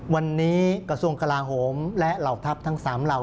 วันนี้กระทรวงกลาโหมและเหล่าทัพทั้ง๓เหล่า